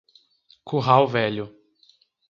Curral Velho